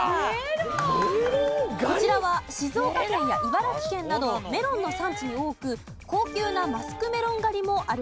こちらは静岡県や茨城県などメロンの産地に多く高級なマスクメロン狩りもあるそうです。